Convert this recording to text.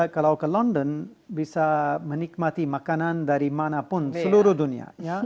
kalau ke london bisa menikmati makanan dari manapun seluruh dunia